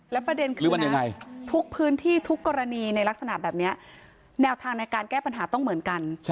ประเด็นคือนะทุกพื้นที่ทุกกรณีในลักษณะแบบนี้แนวทางในการแก้ปัญหาต้องเหมือนกัน